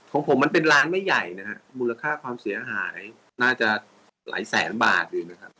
ของผมมันเป็นร้านไม่ใหญ่นะฮะมูลค่าความเสียหายน่าจะหลายแสนบาทเองนะครับ